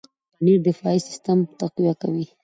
پنېر د دفاعي سیستم تقویه کوي.